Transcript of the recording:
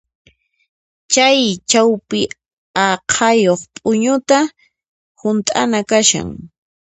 Chay chawpi aqhayuq p'uñuta hunt'ana kashan.